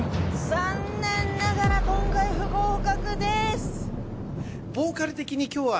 残念ながら今回不合格です。